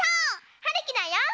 はるきだよ！